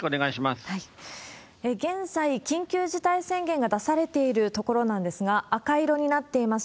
現在、緊急事態宣言が出されている所なんですが、赤色になっています